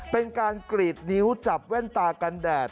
เป็นการกรีดนิ้วจับแว่นตากันแดด